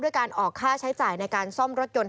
การออกค่าใช้จ่ายในการซ่อมรถยนต์